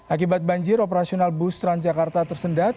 akibat banjir operasional bus transjakarta tersendat